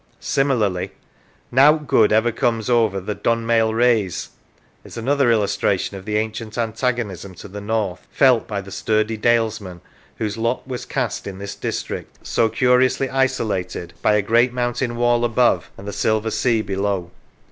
Similarly, " Nowt good ever comes over the [Dun mail] Raise " is another illustration of the ancient antagonism to the north felt by the sturdy dalesmen whose lot was cast in this district so curiously isolated by a great mountain wall above and the silver sea below.